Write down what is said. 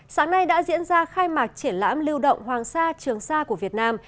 sáng nay đã diễn ra khai mạc triển lãm lưu động hoàng sa trường sa của việt nam